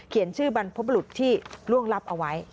เขียนชื่อบรรพบรุษที่ร่วงรับเอาไว้